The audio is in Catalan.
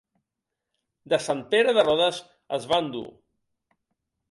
De Sant Pere de Rodes es va endur.